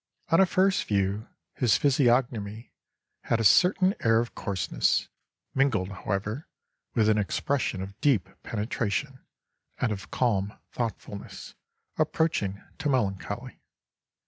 On a first view, his physiognomy had a certain air of coarseness, mingled, however, with an expression of deep penetration, and of calm thoughtfulness, approaching to melancholy....